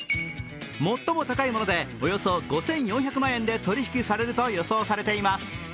最も高いものでおよそ５４００万円で取り引きされると予想されています。